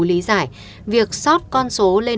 lý giải việc sót con số lên